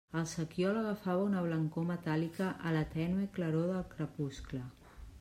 El sequiol agafava una blancor metàl·lica a la tènue claror del crepuscle.